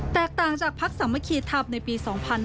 แตกต่างจากพักสมคีททัพในปี๒๕๓๕